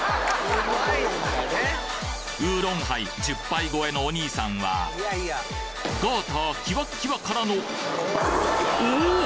ウーロンハイ１０杯超えのお兄さんはガーターキワッキワからのおぉ！